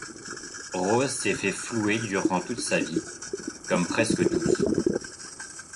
Rose s'est fait flouer durant toute sa vie, comme presque tous.